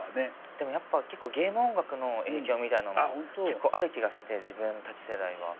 でもやっぱゲーム音楽の影響みたいなのも結構ある気がして自分たち世代は。